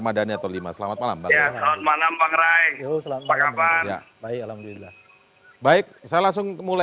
adakah alasan khusus maksudnya